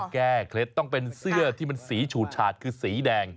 เคล็ดต้องเป็นเสื้อที่มันสีฉูดฉาดคือสีแดง